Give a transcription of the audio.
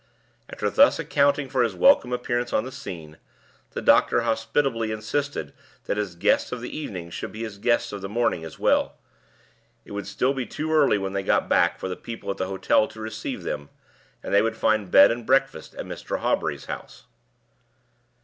After thus accounting for his welcome appearance on the scene, the doctor hospitably insisted that his guests of the evening should be his guests of the morning as well. It would still be too early when they got back for the people at the hotel to receive them, and they would find bed and breakfast at Mr. Hawbury's house.